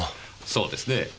そうですねえ。